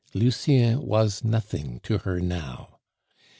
Lucien was nothing to her now.